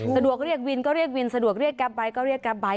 สะดวกเรียกวินก็เรียกวินสะดวกเรียกแกรปไบท์ก็เรียกกราฟไบท์